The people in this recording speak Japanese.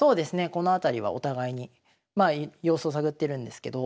この辺りはお互いにまあ様子を探ってるんですけど。